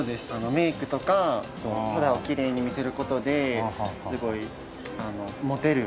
メイクとか肌をきれいに見せる事ですごいモテるとか。